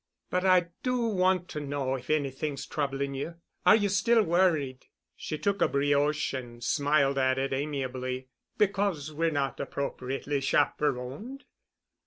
"But I do want to know if anything's troubling you. Are you still worried——" she took a brioche and smiled at it amiably, "because we're not appropriately chaperoned?"